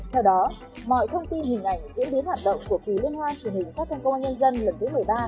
theo đó mọi thông tin hình ảnh diễn biến hoạt động của kỳ liên hoan truyền hình phát thanh công an nhân dân lần thứ một mươi ba